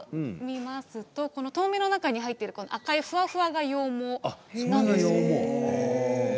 透明の中に入っている赤いふわふわが羊毛なんです。